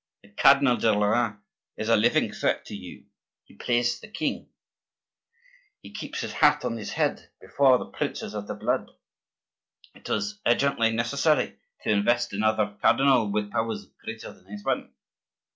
The Cardinal de Lorraine is a living threat to you; he plays the king; he keeps his hat on his head before the princes of the blood; it was urgently necessary to invest another cardinal with powers greater than his own.